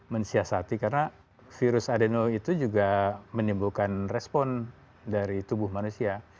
mensiasati karena virus adeno itu juga menimbulkan respon dari tubuh manusia